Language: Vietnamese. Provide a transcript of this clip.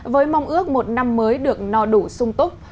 với mong ước một năm mới được no đủ sung túc